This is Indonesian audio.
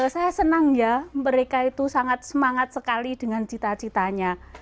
saya senang ya mereka itu sangat semangat sekali dengan cita citanya